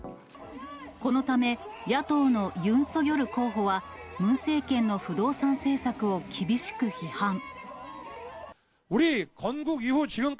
このため、野党のユン・ソギョル候補は、ムン政権の不動産政策を厳しく批判。